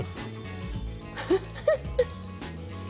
フフフッ。